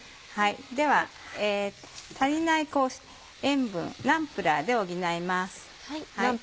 では足りない塩分ナンプラーで補います。